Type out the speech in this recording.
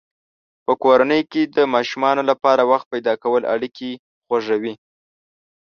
په کورنۍ کې د کوچنیانو لپاره وخت پیدا کول اړیکې خوږوي.